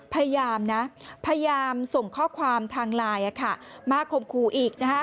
พยายามนะพยายามส่งข้อความทางไลน์มาคมครูอีกนะคะ